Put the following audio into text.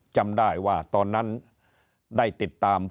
จำได้ว่าตอนนั้นได้ติดตาม